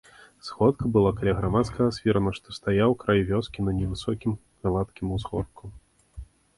Сходка была каля грамадскага свірна, што стаяў край вёскі на невысокім гладкім узгорку.